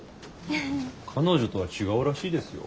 彼女とは違うらしいですよ。